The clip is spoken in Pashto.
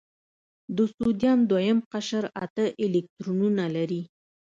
د سوډیم دوهم قشر اته الکترونونه لري.